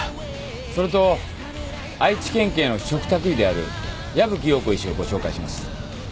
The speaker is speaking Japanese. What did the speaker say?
それと愛知県警の嘱託医である矢吹洋子医師をご紹介します。